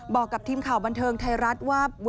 บอกกับทีมข่าวบันเทิงไทยรัฐว่า